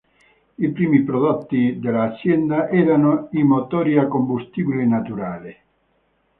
I primi prodotti dell'azienda erano i motori a combustibile naturale.